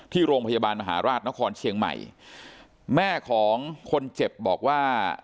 ที่โรงพยาบาลมหาราชนครเชียงใหม่แม่ของคนเจ็บบอกว่า